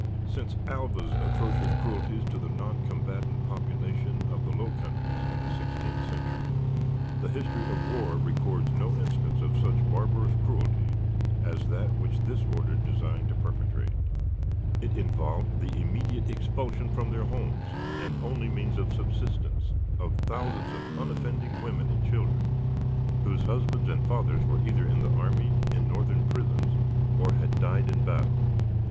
Since Alva's atrocious cruelties to the noncombatant population of the Low Countries in the sixteenth century, the history of war records no instance of such barbarous cruelty as that which this order designed to perpetrate. It involved the immediate expulsion from their homes and only means of subsistence of thousands of unoffending women and children, whose husbands and fathers were either in the army, in Northern prisons, or had died in battle.